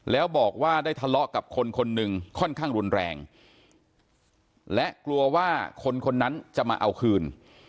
แล้วบอกว่าได้ทะเลาะกับคนคนหนึ่งค่อนข้างรุนแรงและกลัวว่าคนคนนั้นจะมาเอาคืน